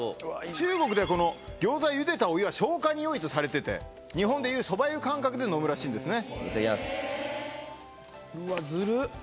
中国ではこの餃子をゆでたお湯は消化によいとされてて、日本でいうそば湯感覚で飲むらしいんですね。